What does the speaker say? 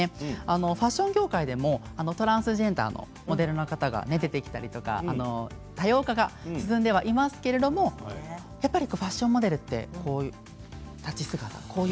ファッション業界でもトランスジェンダーのモデルの方が出てきたりとか多様化が進んでおりますけれどやっぱりファッションモデルって立ち姿。